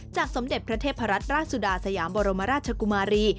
สมเด็จพระเทพรัตนราชสุดาสยามบรมราชกุมารี